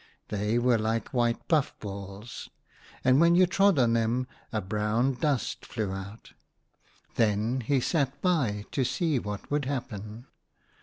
They were like white puff balls, and when you trod on them a brown dust flew out Then he sat by to see what would happen.